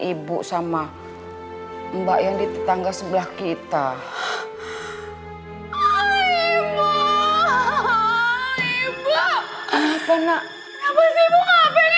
ibu sama mbak yang di tetangga sebelah kita hai hai ibu ibu kenapa nak ngapain aku bahagia